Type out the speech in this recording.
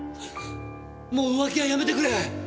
もう浮気はやめてくれ！